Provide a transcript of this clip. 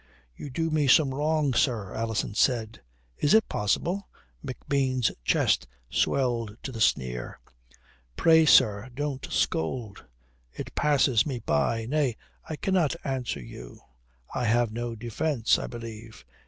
"You do me some wrong, sir," Alison said. "Is it possible?" McBean's chest swelled to the sneer. "Pray, sir, don't scold. It passes me by. Nay, I cannot answer you. I have no defence, I believe.